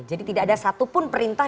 jadi tidak ada satupun perintah